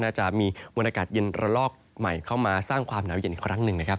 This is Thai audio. จะมีมวลอากาศเย็นระลอกใหม่เข้ามาสร้างความหนาวเย็นอีกครั้งหนึ่งนะครับ